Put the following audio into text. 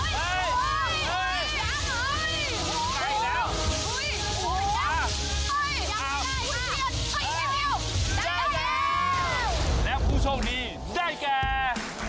แล้วผู้โชคดีได้แก่